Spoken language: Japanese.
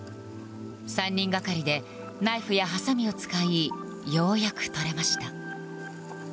３人がかりでナイフやはさみを使いようやく取れました。